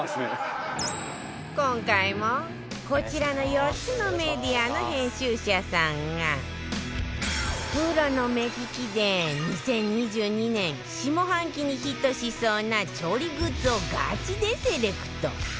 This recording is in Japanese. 今回もこちらの４つのメディアの編集者さんがプロの目利きで２０２２年下半期にヒットしそうな調理グッズをガチでセレクト